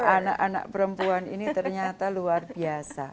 anak anak perempuan ini ternyata luar biasa